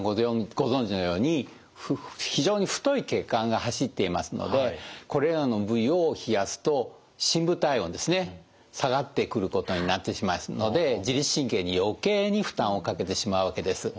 ご存じのように非常に太い血管が走っていますのでこれらの部位を冷やすと深部体温ですね下がってくることになってきますので自律神経に余計に負担をかけてしまうわけです。